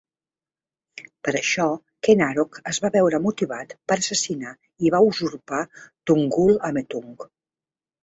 Per això, Ken Arok es va veure motivat per assassinar i va usurpar Tunggul Ametung.